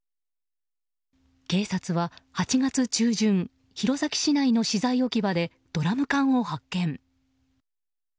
警察は８月中旬弘前市内の資材置き場でドラム缶を発見。